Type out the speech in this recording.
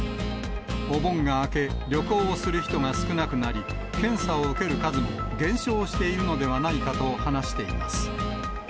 お盆が明け、旅行をする人が少なくなり、検査を受ける数も減少しているのではないかと話しています。